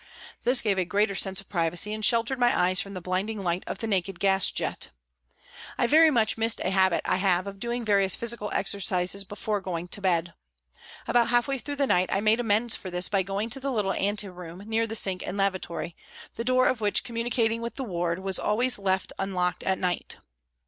This gave a greater sense of privacy and sheltered my eyes from the blinding light of the naked gas jet. I very much missed a habit I have of doing various physical exercises before going to bed. About half way through the night I made amends for this by going to the little ante room near the sink and lavatory, the door of which communicating with the ward was left unlocked at night.